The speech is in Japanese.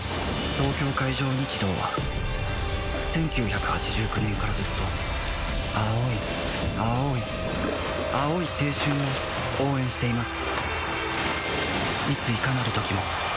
東京海上日動は１９８９年からずっと青い青い青い青春を応援しています